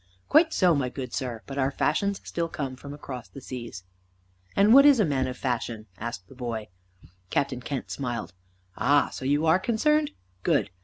"Quite so, my good sir. But our fashions still come from across the seas." "And what is a man of fashion?" asked the boy. Captain Kent smiled. "Ah, so you are concerned? Good!